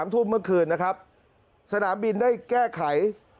ทุ่มเมื่อคืนนะครับสนามบินได้แก้ไข